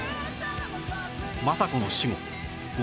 政子の死後御